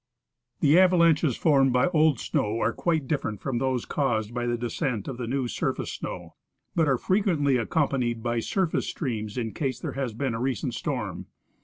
The avalanches formed by old snoAV are quite different from those caused by the descent of the new surface snow, but are frequently accompanied by surface streams in case there has been a recent storm.